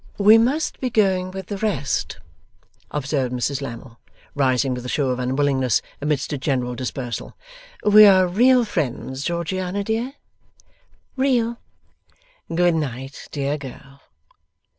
'We must be going with the rest,' observed Mrs Lammle, rising with a show of unwillingness, amidst a general dispersal. 'We are real friends, Georgiana dear?' 'Real.' 'Good night, dear girl!